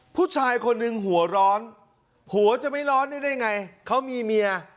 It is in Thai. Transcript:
ผู้ชายคนหนึ่งหัวร้อนหัวจะไม่ร้อนนี่ได้ไงเขามีเมีย